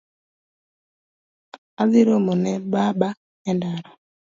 Adhi romo ne baba e ndara